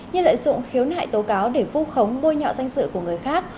như lợi dụng khiếu nại tố cáo để vu khống môi nhọ danh sự của người khác